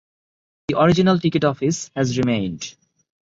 The original ticket office has remained.